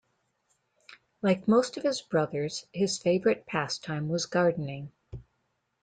Like most of his brothers, his favorite pastime was gardening.